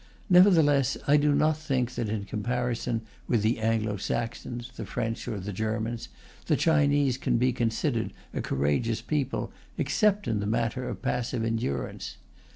Nevertheless, I do not think that, in comparison with the Anglo Saxons, the French, or the Germans, the Chinese can be considered a courageous people, except in the matter of passive endurance.